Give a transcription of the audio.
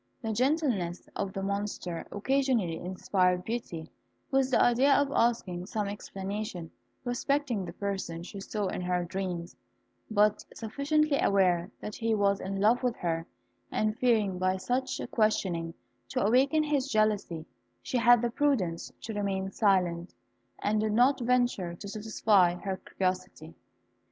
The gentleness of the monster occasionally inspired Beauty with the idea of asking some explanation respecting the person she saw in her dreams; but sufficiently aware that he was in love with her, and fearing by such questioning to awaken his jealousy, she had the prudence to remain silent, and did not venture to satisfy her curiosity.